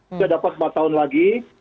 kita dapat empat tahun lagi